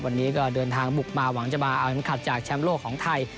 วันนี้ก็เดินทางบุกมาหวังจะมาเอาน้ำขัดจากแชมป์โลกของไทย